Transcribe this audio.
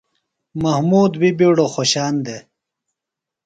محمود بی ِبیڈوۡ خوۡشان دےۡ۔